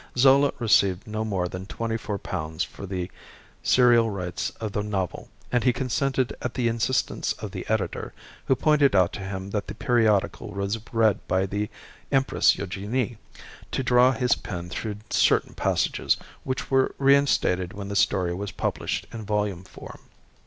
Zola received no more than twenty four pounds for the serial rights of the novel, and he consented at the insistence of the Editor, who pointed out to him that the periodical was read by the Empress Eugénie, to draw his pen through certain passages, which were reinstated when the story was published in volume form.